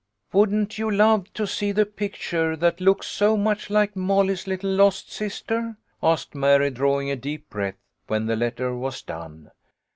" Wouldn't you love to see the picture that looks so much like Molly's little lost sister ?" asked Mary, drawing a deep breath when the letter was done.